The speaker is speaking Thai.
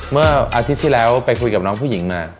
เมื่ออาทิตย์ที่แล้วไปคุยกับน้องผู้หญิงมา